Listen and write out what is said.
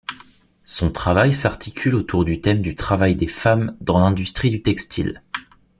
Son travail s'articule autour du thème du travail des femmes dans l'industrie du textile.